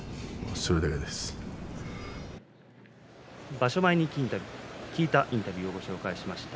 場所前に聞いたインタビューをご紹介しました。